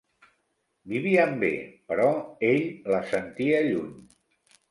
Vivien bé, però ell la sentia lluny.